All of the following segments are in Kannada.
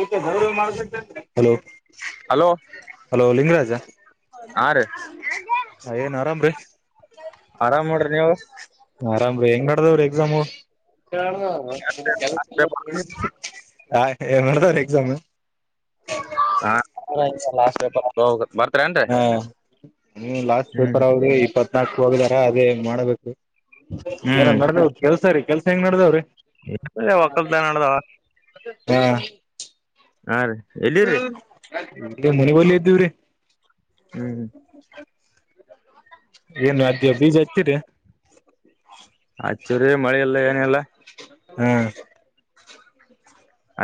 ಏಕೆ ಹಲೋ ಹಲೋ ಲಿಂಗರಾಜ ಹಾ ರೀ ಏನ್ ಆರಾಮ್ರೀ ಆರಾಮ್ ನೋಡ್ರಿ ನೀವು ್ರಿ ಹೆಂಗ್ಾಡದಾವ್ರ ಎಕ್ಸಾಮು ಕೆ ಹಾ ಏ ಮಾಡದ್ರ ಎಕ್ಸಾಮ್ ಹಾ ಲಾಸ್ ಪೇಪ ಹೌೋಗ ಹಾ ನೀ ಲಾಸ್ಟ್ ಹ್ಮ್ ಪೇಪರ್ ಅವ್ರಿ ಇಪ್ಪತ್ತು ನಾಕು ಹೋಗಿದಾರ ಅದೇ ಮಾಡಬೇಕು ಏನನ್ ಮಾಡ ಕೆಲ್ಸ ರೀ ಕೆಲ್ಸ ಹೆಂಗ್ ನಡ್ದಾವ್ರೀ ಒಕ್ಕಲ್ದಾನದಾವ ಹಾ ಹಾ ರೀ ಎಲ್ಲಿರಿ ನ್ಗೆ ಮನೆ ಬಲಿ ಇದ್ದವ್ರಿ ಹ್ಮ್ ಹ್ಮ ಏನು ಅದ ಬೀಜ ಯತಿೀರಿ ಸರಿ ಮಳೆಯೆಲ್ಲ ಏನೆಲ್ಲ ಹ್ಮ್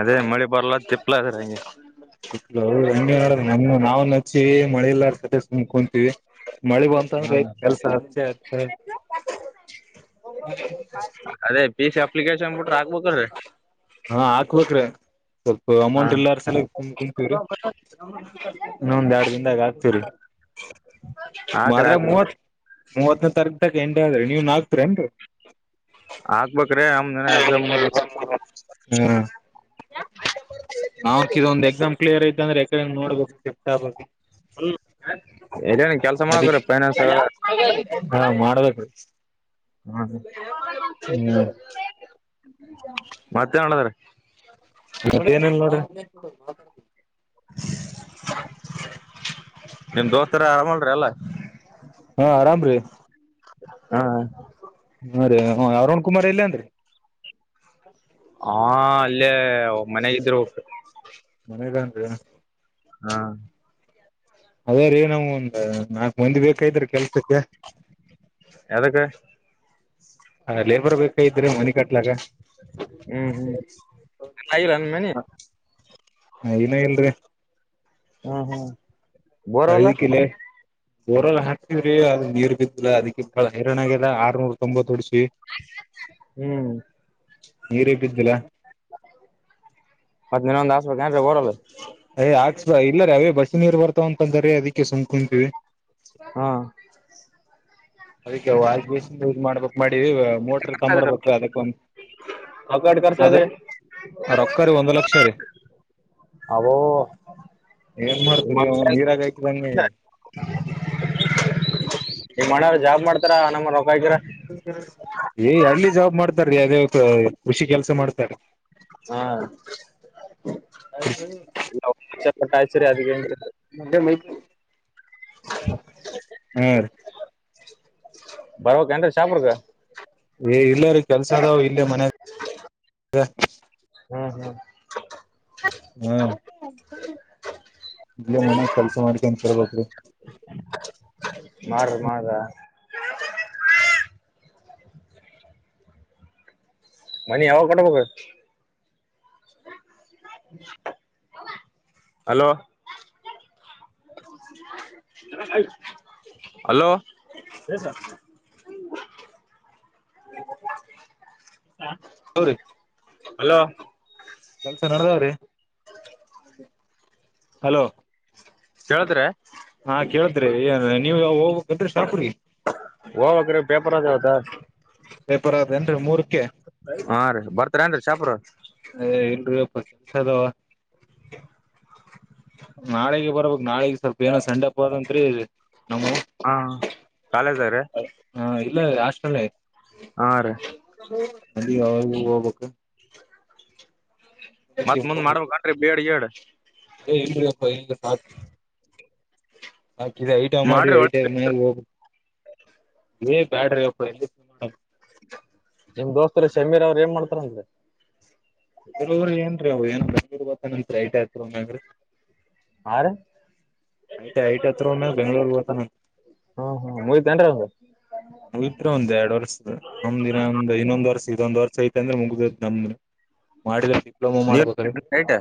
ಅದೇ ಮಳಿ ಬರ್ಲ ತಿಪ್ಲ ಅದ್ರ ಹಂಗೆ ಮೊನ್ನೆ ಮೊನ್ನೆ ನಾವು ನಚ್ಚಿವವಿ ಮಳೆಯಲ್ಲರ್ ಸತಿ ಸುಮ್ಕೊಂತೀವಿ ಮಳಿ ಬಂತಂದ್ರೆ ಹ್ಮ್ ಕೆಲ್ಸ ಆತ ಅದೇ ಪಿ ಸಿ ಅಪ್ಲಿಕೇಶನ್ ಬಿಟ್ರ ಹಕ್ಬೇಕ್ರೀ ಹಾ ಹಾಕ್ಬೇಕ್ರೆ ಸ್ವಲ್ಪ ಹಾ ಅಮೌಂಟ್ ಇಲ್ಲಾರ ಸಲ ಕು ಕುತಿವ್ರಿ ಇನ್ನೊಂದ್ ಎರಡ್ ದನ್ದಾಗ ಹಾಕ್ತಿವ್ರಿ ಹಾಕ್ರಿ ಮಾದ್ರ ಹಾಕ್ರಿ ಮೂವತ್ ಮೂವತ್ತನೇ ತಾರಕ ತಕ ಎಂಟ.... ಅದ್ರೆ ನೀವ್ ಹಾಕ್ತೀರ ನ್ರಿ ಹಾಕ್ಬೇಕ್ರಿ ನಮ್ದ ಎಕ್ಸಾಮ್ ಮುಗ್ದದ ಹ್ಮ ನಾವೊಂದ್ ಎಕ್ಸಾಮ್ ಕ್ಲಿಯರ್ ಐ್ಂದ್ರೆ ನೋಡ್ಬೇಕ ಹಿ ಹ ಎೇನು ಕೆಲ್ಸ ಮಾಡಕರ ಅದಿಕ್ಕೆ ೈನಾನ್ ಹಾ ಮಾಡ್ಬೇಕ್ರಿ ಹ್ಮ ಹ್ಮ ಮತ್ತೆ ಮಾಡಣದಾರ ಮತ್ತ ಏನಲ್ಲ ನೋಡ್ರಿ ಮಾತಾಡು ನಿಮ ದೋಸ್ತರ ಆರಾಮಲ್ರಿಿ ಅಲ್ಲ ಹಾ ಆರಾಮ ರೀ ಹಾ ಹಾ ರ ಹ ಅರುಣ್ ಕುಮಾರ್ ಇಲ್ಲಾಂದ್ರರಿ ಹಾ ಅಲ್ಲೇ ಮನೆ ಇದ್ರರು ು ಮತ್ತೆ ಹಾ ಅದೇ ರೇ ನಾವವು ಒಂದ ನಾಕ್ು ಮಂದಿ ಬೇಕೈತ್್ರ ಕೆಲ್ಸಕ್ಕೆ ಯದಕ್ಕ ಅೇ ಒಬ್ರ ಬೇಕ ಇದ್ರೆ ಮನ ಕಟ್ಲಕ್ಕ ಹ್ಮ್ ಹ್ಮ್ ಆಗಿಲ್ಲ ನನ್ ಮನಿ ಹಾ ಏನ ಇಲ್ರಿ ಹ್ಮ್ ಹ್ಮ್ ಬೋರವಲ್ಲ ಬೋರಲ್ಲ ಹಾಕ್ತವ್ರಿ ಅದ ನೀರ್ ಬಿದ್ದಿಲ್ಲ ಅದಕ್ಕೆಳ [unintelligible] ಲ್ಲ ಆರ್ನೂರ ತೊಂಬತ್ತೋಡ್ಸಿ ಹ್ಮ್ ನೀರೇಪಿದ್ದಿಲ್ಲಾ [unintelligible] ಹತ್ತಿನರೊಂದು ಆಸ್ಪತ್ ಏನ್ ರೀ ಬರಲ್ಲ [unintelligible] ಯ್ ಆಕ್ಸ ಇಲ್ಲಾರ ಅವೇ ಬಸಿ ನೀರ್ ಬರ್ತಾವ ಅಂತಾದರಿ ಅದಕ್ಕೆ ಸುಂಕ್ ಕುಂತೀವಿ ಹಾ ಅದಕ್ಕೆ ಆಸ ಇ ಮಾಡ್ಬೇಕಕ್ ಮಾಡಿದೀ [unintelligible] ಮೋಟ್ರ ತಂಬರ್ಬೇಕ ರೊಕ್ಕಟ್ ಖರ್ಚ ಅದ ಇದೆ ಅ ರೊಕ್ಕರಿ ಒಂದ್ ಲಕ್ಷ ರೀ ಅವೋ ಏನ್ ನಿಮ್ ಮಾಡ್ತರಿ ನೀರಗ ತಿಲಂಗೇರು ಜಾಬ್ ಮಾಡ್ತಾರ ಅನ ಮಾಡ್ ಬತರ [unintelligible] ಏ ಹಳ್ಳಿ ಜವಾಬ್ ಮಾಡ್ತಾರೀ ಅದೇ ಕೃಷಿ ಕೆಲ್ಸ ಮಾಡ್ತಾರ ಹಾ ಅ [inaudible] ಚಟಾಯಚರಿ ಅಧಿಕ [inaudible] ಹ್ಮೀ ಬರಕ ಏನ್ ಶಾಪರ್ಗ ಏ ಇಲ್ಲಾರ ಕೆಲ್ಸ ಅದಾವ ಇಲ್ಲಿ ಮನೆ ಹ್ಮ್ ಹ್ಮ್ ಹ್ಮ ಇಲ್ಲ ಮನೆ ಕೆಲ್ಸ ಮಾಡ್ಕ ನ್ ತರ್ಬೇಕ್ರೀ ಮಾಡಾರ್ರ ಮಾಡುದ ಮನಿ ಯಾವಾಗ ಕೊಟ್ಟಬೇಕ ಹಲೋ ಹಲೋ ಹರಿ ಹಲೋ ಕೆಲ್ಸ ನಡದಾವ್ರಿ ಹಲೋ ಕೇಲ್ತಿರೆ ಹಾ ಕೇಳ್ತಿರಿ ಏ ನೀವು ಹಕ ರೀ ಪೇಪರ್ ಅದವತ ಪೇಪರ್ ಅದೇನ್ರಿ ಮೂರಕ್ಕೆ ಹಾ ರೀ ಬರ್ತಾರ ಏನ್ೀ ಚಾಪರ್ [inaudible] [inaudible] ಇಲ್ರಿಪ್ಪ ಕೆಲ್ಸ ಅದಾವ ನಾಳೆಗೆ ಬರ್ಬೇಕು ನಾಳೆಗೆ ಸ್ವಲ್ಪ ಏನೋ ಸಂಡೆಪ್ಪ ತ್ರಿ ಹಾ ಕಾಲೇಜ್ ರೆ ಇಲ್ಲ ಆಷ್ಟಲಿ ಆ ರಿ ಅದಬಕ್ಕೆ [unintelligible] ಮತ್ತ್ ಮುಂದ್ ಮಾಡ್ಬೇಕೇನ್ರಿ ಬಿಏಡ್ ಗಿಯೇಡ್ ಇ ಇಲ್ರಿ ವಿಗೆ ಸಾ ಹಾಕಿದ ಐಟಾ ಮಾಡಿ ಮಾಡ್ರಿ ಐಟ ಒಳ್ಳೆ ಮ ಹೋಗ ಏ ಬ್ಯಾಡ್ರೀ ಎಲ್ಲಿಡಮ್ ನಿಮ್ ದೋಸ್ತರು ಸಮೀರ ಅವ್ರ ಏನ್ ಮಾಡ್ತಾರಂದ್ರೆ ಬರವರು ಏನ್ರೀ ಅವ ಏನ್ೀ ಹ ಗತಂತ ರೈಟ್ ಆಯ್ತ್ಮ್ಮಂಗರಿ ಹಾ ರೀ ಐ ಐಟ್ ಹತ್ರಾಗ ಬೆಂಗ್ಳೂರ್ ಹತಾನ ಹ್ಮ್ ಹ್ಮ್ ಮುಗಿತೇನ್ರೀ ಅವಂದು ಮುಗಿದ್ರೆ ಒಂದ್ ಎರಡ್ ವರ್ಷದ ನಮ್ದಿನ ಒಂದ್ ಇನ್ನೊಂದ್ ವರ್ಷ ಇದೊಂದ್ ವರ್ಷ ಐತೆ ಅಂದ್ರೆ ಮುಗ್ದ ನಮ್ದ ಮಾಡಬೇಕ ಡಿಪ್ಲೊಮೋ ನೀವ ಮಾಡ್ಬೋದ್ರೀ ರೈಟ್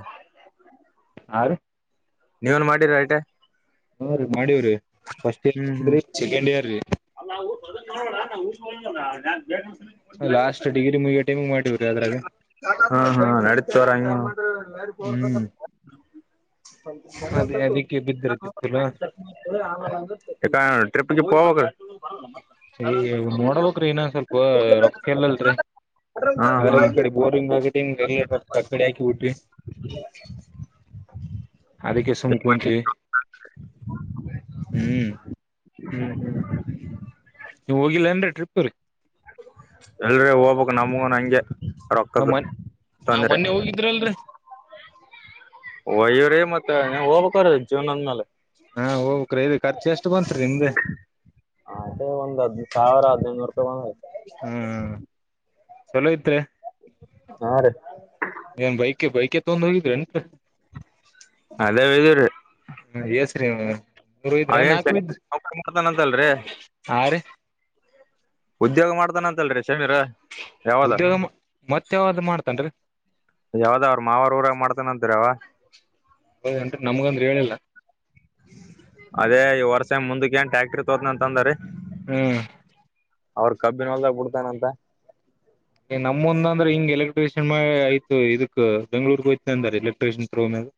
ಹಾ ರೀ ನೀವೇನ್ ಮಾಡಿರಿ ಐಟ ಹ್ಮ ರೀ ಮಾಡಿವವ್ರೀ ಫಸ್ಟ್ ಇರ್ ಹ್ಮ್ ರೀ ಸೆಕೆಂಡ್ ಇಯರ್ ರೀ ಹ ಬೇ ಲಾಸ್ಟ್ ಡಿಗ್ರಿ ಮುಗಿಯೋ ಟೈಮಿಗ್ ಮಾಡೀವ್ರಿ ಅದ್ರಾಗ ಹಾ ಹಾ ನಡತರಾ ಹ್ಮ್ ಅದೇ ಅದಕ್ಕೆ ಬಿದ್ರಿ ತಿಪ್ಪಲ ಈಾ ಟ್ರಿಪಿಗೆ ಪೋಗ ಏ ನೋಡಬೇಕ್ರೀ ಇನ ಸ್ವಲ್ಪ ರೊಕ್ಕ ಎಲ್ಲಲ್ರಿೀ ಹಾ ಅ್ರಾಗ ಹಾ ಈ ಕಡೆ ಬೋರಿಂಗ್ ಆಗಿ ಎ ಕ ಕಡೆ ಹಾಕಿಬಟ್ವಿ ಅದಕ್ಕೆ ಸುಮಕ ಕುಂತೀವಿ ಹ್ಮ್ ಹ್ಮ್ ಹ್ಮ್ ನೀವು ಹೋಗಿಲ್ಲ ಅನ್್ರರಿ ಟ್ರಿಪ್ ರೀ ಎಲ್ರ ಹೋಗ್ಬಕ್ ನಮಗನ ಹಂಗೆ ಹ ರೊಕ್ಕದ ತೊಂದರೆೆ ಮೊನ್ನೆ ಹೋಗಿದ್ರಲ್ರರಿ ವಯ ಮತ್ತ ಹೋಗ್ಬೇಕ ಜೀವನದಂದ ಮೇಲೆ ಹಾ ಹೋಗಕ್್ರೀೀ ಖರ್ಚು ಎಷ್ಟು ಬಂತ್ರಿ ನಿಮ್ದೆ ಹ್ಮ್ ಚಲೋ ತ್ೆ ಹಾ ರೀ ಏನ್ ಬೈಕ್ ಬೈಕೆ ತಗೊಂಡ ಹೋಗಿದ್ರಿ ಅಟ ಅದೇ ಹ್ಮ ಯಸರಿೀ ಹ ಏನ್ ಸ ಮಾಡ್ತಾನಂತಲ್ರಿ ಆ ರೀ ಉದ್ಯೋಗ ಮಾಡ್ತಾನ ಅಂತಲ್ರಿೀಷಮೀರ ಯಾವದ ಉದ್ಯೋಗ ಮತ್ತೆ ಯಾವ್ದ್ ಮಾಡ್ತನ್ರಿ ಯಾವ್ದ ಅವ್ರ ಮಾವಾರ ಊರಾಗ ಮಾಡ್ತಾನ ಅಂತರಾವ [inaudible] ಹೌದೇನ್ರಿ ಅಂತ ನಮಗಂದ್ರೆ ಹೇಳಿಲ್ಲಾ. ಅದೇ ಈ ವರ್ಷ. ಮುಂದಕ್ಕೆನ್ ಟ್ಯಾಕ್ಟರ್ ತಕೊತನ್ ಅಂದಾರಿ. ಹ್ಮ್. ಅವ್ರ ಕಬ್ಬಿನ ಹೊಲ್ದಾಗ ಬಿಡ್ತಾನಂತ. ನಮ್ಮ ಮುಂದ್ ಅಂದ್ರೆ ಹಿಂಗ್ ಎಲೆಕ್ಟ್ರಿಷಿಯನ್ ಮ ಆಯ್ತು ಇದಕ್ ಬೆಂಗ್ಳೂರ್ಗ ಹೋಯ್ತನ ಅಂದ್ರ ಎಲೆಕ್ಟ್ರಿಷಿಯನ್ ಥ್ರೂ ಮೇಲೆ.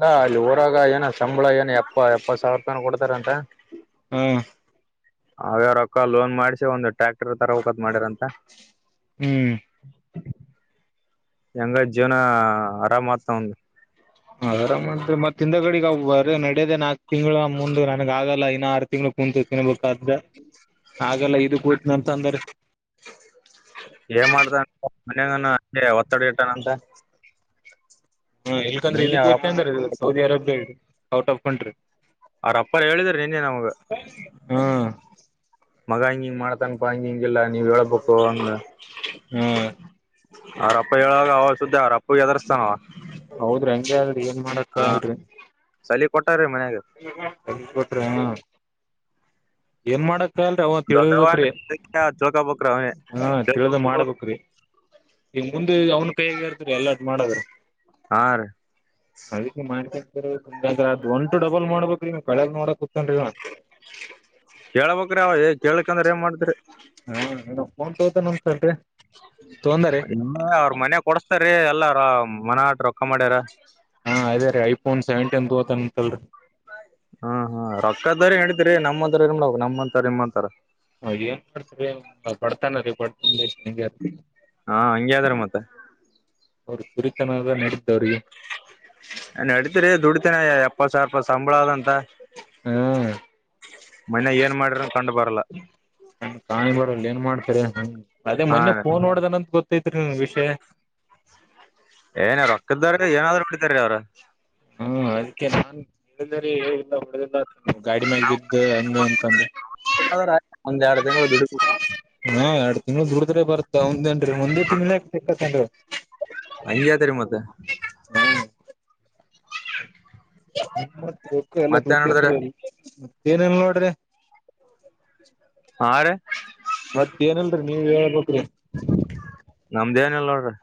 ಹಾ ಅಲ್ಲಿ ಊರಾಗ ಏನ ಸಂಬಳ ಏನ ಎಪ್ಪ ಎಪ್ಪತ್ ಸಾವಿರತನ ಕೊಡ್ತಾರಂತ. ಹಾ ಅವ್ಯಾರಕ್ಕ ಲೋನ್ ಮಾಡಸಿ ಒಂದು ಟ್ರ್ಯಾಕ್ಟರ್ ತರ ಒಕದ್ ಮಾಡಿದಾನೆ. ಹ್ಮ್. ಹೆಂಗ ಜೀವನ ಆರಾಮಾತ್ ಆವಂದ್. ಆರಾಮದ್ರಿ ಮತ್. ತಿಂದಾಗಡಿಗೆ ಆ ವರೇ ನಡೆದೇನಕ್. ತಿಂಗಳುಗಳ ಮುಂದು ನನಗ ಆಗಲ್ಲ. ಆರು ತಿಂಗ್ಳು ಕುಂತು ತಿನ್ಬೇಕಾದ್ದ ಹಾಗಲ್ಲ ಇದಕ್ ಹೋಯ್ತನ ಅಂತಂದ್ರೆ. ಏನ್ ಮಾಡ್ತಾನ ಮನಗ ಅ ಒತ್ತಡ ಇಟ್ಟಾನಂತ. ಹ ಎಲ್ಕಂದ್ರೆ ನಿನ್ನೆ ಇದಕ್ಕ ಅವ್ರ ಕೋತಿ ಅಂದ್ರ ಸೌದಿ ಅರಬ್ಬಿರು. Out of country. ಅವ್ರಪ್ಪಾರ ಹೇಳಿದ್ರ ನಿನ್ನೆ ನಮಾಗ. ಹಾ ಮಗ ಇಗಿಂಗ್ ಮಾಡತಾನಪಾ ಇಗಿಂಗ್. ಹಿಲ್ಲ ನೀವ್ ಹೇಳೇಬೇಕು ಹಂಗ. ಹಾ ಅವರಪ್ಪ ಹೇಳವಾಗ ಅವ್ರ್ ಸುದ್ದಿ ಅವ್ರಪಗ್ ಹೆದರಿಸ್ತಾನ ಅವ. ಹೌದ್ರಿ ಹಂಗೆ. ಏನ್ ಹ ಮಾಡಕ್ಕಗಲ್ರಿ. ಸಲಿ ಕೊಟ್ಟಾರಿ ಮನ್ಯಾಗ [inaudible] ಏನ್ ಮಾಡಕ್. ಲ್ರಿ ಅವ ದೊಡ್ಡವ ತಿಳಬೇಕ್ರಿ ತಿಳ್ಕೊಬೇಕ್ರಿ ಅವನೇ ಹಾ ತಿಳ್ದ ಮಾಡ್ಬೇಕ್ರಿ. ಈನ್ ಮುಂದೆ ಅವ್ನ್ ಕೈಯಗ ಇರ್ತದೆ ಎಲ್ಲಾ ಮಾಡದ್. ಹಾ ರೀ ಅದಿಕೆ ಮಾಡಕ. ಕರ ದೊ ಒಂಟು ಡಬಲ್ ಮಾಡ್ಬೇಕ್ರಿ ನೀವ್ ಕಳೆಗ್ ನೋಡಕ್. ಕುತ್ತನ್ರಿ ಇವ ಕೇಳ್ಬೇಕ್ರಿ ಅವ ಕೇಳಕಂದ್ರೆ ಏನ್ ಮಾಡತಿ. ಅ್ರೆ [inaudible] ನ [unintelligible] ಇ ಅವ್ರ ಮನೆ ಕೊಡಸ್ತಾರೀ ಎಲ್ಲಾರ. ಮನ ಆಟ್ಟ್ ರೊಕ್ಕ ಮಾಡ್ಯಾರೇ. ಹಾ ಅದೇ ರೀ ಐಫೋನ್ ಸೆವೆಂಟೀನ್ ತೋಗೋತ್ನಲ್ರಿ. ಹಾ ಹಾ ರೊಕ್ಕದರ್ ಇಡೀತೀರಿ ನಮ್ಮಂಂತರ ಏನ್ ಮಾಡ್ಬೇಕು ನಮ್ಮಂತರ ಏನ್ ಮಾಡ್ತಾರ [unintelligible] ಹಾ ಹಂಗಗೆದ್ರ ಮತ್ತ ಅವ್ರ ಸುರಿತನದ ನಡಿದ್ದವ್ರಿಗೆ ನಡತರಿ ದುಡಿತೇ ಇಪ್ಪತ್ ಸಾವಿರ ಸಂಬಳ ಅದಂತ ಹ್ಮ್ ಮಾನ್ಯಗ ಏನ್ ಮಾಡಿದ್ರು ಕಂಡು ಬರಲ್ಲ ಕಾಣಿ ಬಡಲ್ಲ ಏನ್ ಮಾಡ್ತೀರಿ ಅದೇ ಹಾ ಮನ್ಯ ಫೋನ್ ಹೋಡಿದಾನ ಅಂತ ಗೊತ್ತೈತ್ ಹ್ಮ್ ವಿಷಯ ಏನ ರೊಕ್ಕದವಾರ ಏನಾದ್ರು ಕುಡಿತಾರೀ ಅವ್ರು [inaudible] ಹ್ಮ ನಾನ್ ಅದಕ್ಕೆ ನಾನ್ ಹೇಳಿರತ ಗಾಡಿ ಮೇಲ್ ಬಿದ್ದು ಅಂಗ ಇಂಗ ಒಂದ್ ಎರಡ್ ತಿಂಗಳು ದುಡಿ ನಿ ದುಡಿದ್ರ ಬತಾ ಅವಂದೇ ಹಂಗಗೆತರಿ ಮತ್ತೆ [unintelligible] [inaudible] ಮ್ಮತ್ ರಕ್ಕ ಎಲ್ಲಾ ಮತ್ತೇನ್ ದುಡ್ಡ್ರ ಹೇಳಿದ್ರ ಅಲ್ಲಿ ಏನನ್ ನೋಡ್ರಿ ಹಾ ರೀ ಮತ್ತ ಏನಲ್ರರಿ ನೀವ ಹೇಬೇಕ್ರಿ ನಮ್ದೇ ನ ಎಲ್ಲ ನೋಡ್ರಿ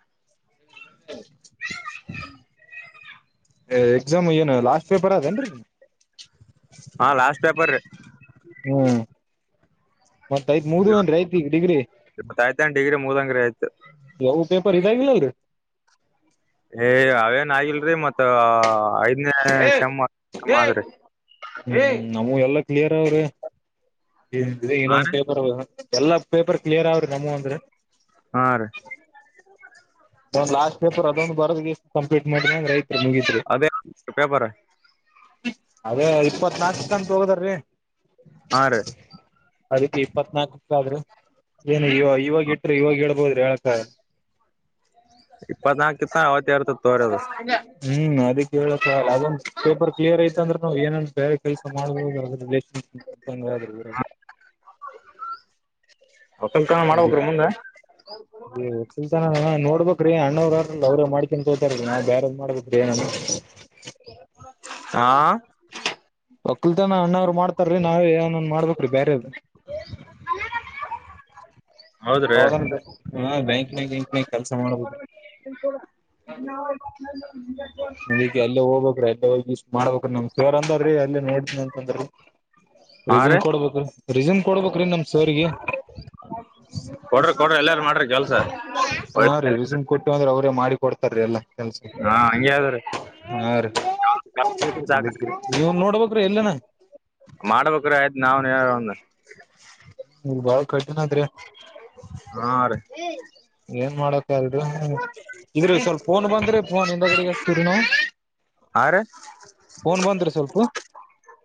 ಎಕ್ಸಾಮ್ ಏನು ಲಾಸ್ಟ್ ಪೇಪರ್ ಅದೇಏನ್ರಿ ಹಾ ಲಾಸ್ಟ್ ಪೇಪರ್ ರಿ ಹ್ಮ ಮತ್ ಐತ್ ಮುಗ್ದುವು ಅಂದ್ರ ಆಯ್ತು ನಾನ್ ಡಿಗ್ರಿ ಆಯ್ತನ್ ಡಿಗ್ರಿ ಮುದಂಗ್ರಿ ಆಯ್ತು ಯ ಪೇಪರ್ ಇದಾಗಿಲಲ್ರಿ ಏ ಅವೇನ್ ಆಗಿಲ್ರಿರಿ ಮತ್ತ ಆಯ್ ಹೇ ಹೇ ಹೇ ನಮುವು ಎಲ್ಲಾ ಕ್ಲಿಯರ್ ಅವ್ರೆ ಏ ಅಗ್ರಿ ಹಾ ಇನ್ನೊಂದ್ ರೀ ಪೇಪರ್ ಎಲ್ಲಾ ಪೇಪರ್ ಕ್ಲಿಯರ್ ಅವ್ರಿ ನಮುವು ಅಂತ್ರು ಹಾ ರೀ ಒಂದ್ ಲಾಸ್ಟ್ ಪೇಪರ್ ಅದೊಂದ್ ಬರ್ ಕಂಪ್ಲೀಟ್ ಮಾಡಿದ ಅದೇ ಪೇಪರ ಅದೇ ಇಪ್ಪತ್ನಾಲ್ಕು ಅಂತ ಹೋಗದಾರ್ರಿ ಹಾ ರೀ ಅದಕ್ಕೆ ಇಪ್ಪತ್ನಾಲ್ಕಕ್ಕ ಆದ್ರೆ ಇವಾಗ ಇದ್ರು ಇವಾಗ ಹೇಳ್ಬೋದ್ ಹಾ ಇಪ್ಪತ್ನಾಕಿತ್ತ ಅವತ್ಯಾರ್ದು ಹ್ಮ್ ಅದಕ್ಕೆ ಏಳಪ್ಪ ಅದು ಪೇಪರ್ ಕ್ಲಿಯರ್ ಐತಂದ್ರೆ ನಾವು ಏನನ್ ಬೇರೆ ಕೆಲ್ಸ ಮಾಡುದುರ ರಿಲಷನ್ಂಗ್ರ ವಕ್ಕಲ್ತನ ಮಾಡ್ಬೇಕ್ರೀ ಮುಂದ ತಿಂತಾನೆ ಅದ ನೋ ಮಾಡ್ಡ್ಬೇಕ್ರೀ ಅಣ್ಣವ್ರ ಅವ್ರೇ ಮಾಡ್ಕನ್ ತೋತಾರೀ ನಾವ ಬೇರದ್ ಮಾಡ್ಬೇಕ್ರೀ ಏನದ್ರ [inaudible] ಆ ಒಕ್ಕಲ್ತ ಅಣ್ಣರ ಮಾಡ್ತಾರ್ರಿ ನಾವು ಏನನ್ ಮಾಡ್ಬೇಕ್ರಿ ಬೇರೆ ಹೌದ್ರಿ ಹೌ ಹ ಬ್ಯಾಂಕಿನಾಗ ಬಂಕಿನಾಗ ಕೆಲ್ಸ ಮಾಡಬದ್ರಿ ನಿಕ್ಕೆ ಎಲ್ಲ ಹೋಗ್ಬೇಕ್ರ ಎಲ್ಲ ಹೋಗ ಯಸ್ ಮಾಡಬೇಕು ನಮ ಸರ್ ಅಂದಾರ್ರೀ ಅಲ್ಲ ನೋಡತನ ಅಂತಂದ್ರೀ ಹಾ ರಿಸ್ಯೂಮ್ ರೀ ಕೊಡ್ಬೇಕ್ರೀ ರಿಸ್ಯೂಮ್ ಕೊಡ್ಬೇಕ್ರೀ ನಮ ಸರ್ ಗೆ ಕೊಡ್ರಿ ಕೊಡ್ರಿ ಎಲ್ಲಾರು ಮಾಡ್ರಿ ಕೆಲ್ಸ ಹಾ ರೀ ಒಳ್ಳೆ ರೀಸಂಟ್ ಕೊಟ್ಟು ಅವ್ರೇ ಮಾಡಿ ಕೊಡ್ತಾರೀ ಎಲ್ಲ ಹಾ ಹಂಗೆ ಅದ್ದಿ ರೀ ಅದಕ್ಕೆ ನೀವ್ ನೋಡ್ಬೇಕ್ರಿ ಎಲ್ಲನ ಮಾಡ್ಬೇಕ್ರ ಆಯ್ತು ನಾವ್ ನೀವ್ ಒಂದ ನೀವ್ ಬಾಳ ಕಠಿಣ ಆದ್ರಿ ಹಾ ರೀ ಏನ್ ಮಾಡಕ ಆದಿ ಇದ್ರ ಸ್ವಲ್ಪ ಫೋನ್ ಬಂದ್ರಿ ಫೋನ್ ಹಿಂದ ಕಡೆಗ ಹಚ್ಚತ್ತರೇನು ಹಾ ರೀ ಪೋನ್ ಬಂದ್ರಿ ಸ್ವಲ್ಪ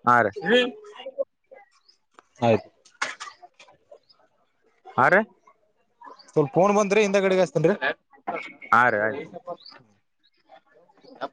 ಹಾ ರೀ ಆಯ್ತು ಹಾ ರೀ ಸ್ವಲ್ಪ ಕೋಡ್ ಬಂದ್ರೆ ಹಿಂದ ಕಡೆಗಷ್ಟ ಹಾ ರೀ ಆರಿ ಹ